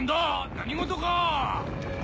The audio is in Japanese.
何事か？